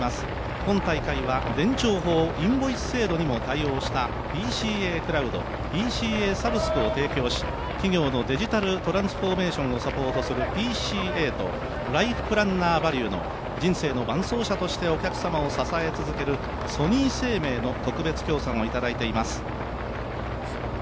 今大会は電帳法、インボイス制度にも対応したＰＣＡクラウド、ＰＣＡサブスクを提供し企業のデジタルトランスフォーメーションをサポートするＰＣＡとライフプランナーバリューの人生の伴走者としてお客様を支え続けるソニー生命の特別協賛をいただいています。